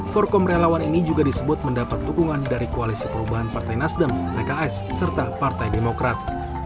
forkom relawan ini juga disebut mendapat dukungan dari koalisi perubahan partai nasdem pks serta partai demokrat